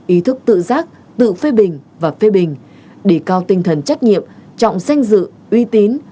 ý thức tự giác tự phê bình và phê bình đề cao tinh thần trách nhiệm trọng danh dự uy tín